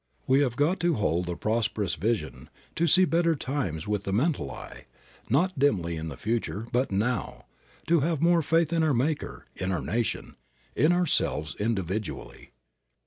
We have got to hold the prosperous vision, to see better times with the mental eye, not dimly in the future, but now, to have more faith in our Maker, in our nation, in ourselves individually.